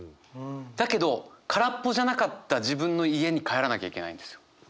だけど空っぽじゃなかった自分の家に帰らなきゃいけないんですよ。